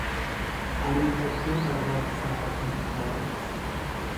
Ariifachuun barbaachisaa akka hin taane ibsa.